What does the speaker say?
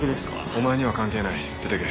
お前には関係ない出てけ。